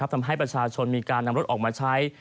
ทำให้ประชาชนมีการนำรถออกมาใช้